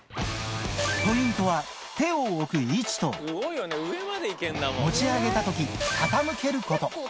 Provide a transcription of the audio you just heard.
ポイントは手を置く位置と、持ち上げたとき、傾けること。